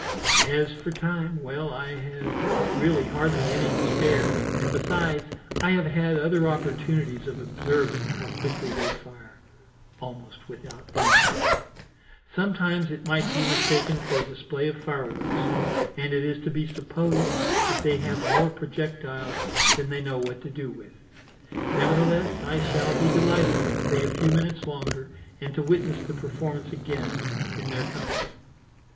As for time, well, I have really hardly any to spare, and, besides, I have had other opportunities of observing how quickly they fire "almost without aiming." Sometimes it might be mistaken for a display of fireworks, and it is to be supposed that they have more projectiles than they know what to do with. Nevertheless I shall be delighted to stay a few minutes longer and to witness the performance again in their company.